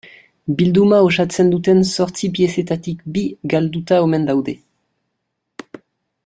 Bilduma osatzen duten zortzi piezetatik bi galduta omen daude.